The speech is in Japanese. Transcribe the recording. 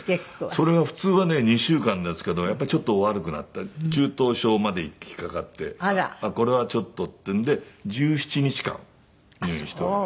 それが普通はね２週間ですけどやっぱりちょっと悪くなって中等症までいきかかってこれはちょっとっていうんで１７日間入院して。